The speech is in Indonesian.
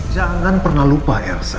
jangan pernah lupa elsa